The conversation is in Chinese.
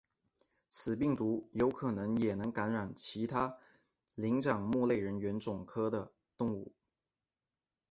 此病毒有可能也能感染其他灵长目人猿总科的动物。